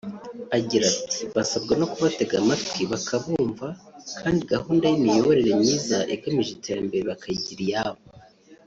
Agira ati “Basabwa no kubatega amatwi bakabumva kandi gahunda y’imiyoborere myiza igamije iterambere bakayigira iyabo